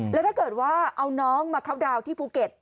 แล้วถ้าเกิดว่าเอาน้องมาเข้าดาวน์ที่ภูเก็ต